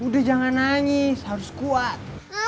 udah jangan nangis harus kuat